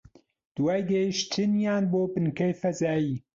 دوای گەیشتنیان بۆ بنکەی فەزایی